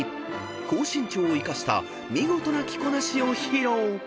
［高身長を生かした見事な着こなしを披露］